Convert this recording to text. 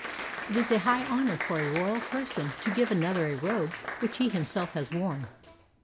It is a high honor for a royal person to give another a robe which he himself has worn.